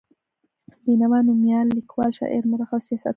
بېنوا نومیالی لیکوال، شاعر، مورخ او سیاستوال و.